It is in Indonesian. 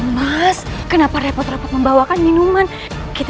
mas kenapa repot repot membawakan minuman kita